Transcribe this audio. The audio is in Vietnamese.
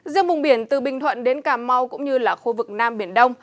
riêng vùng biển từ bình thuận đến cà mau cũng như là khu vực nam biển đông